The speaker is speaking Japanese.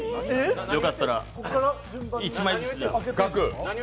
よかったら１枚ずつ。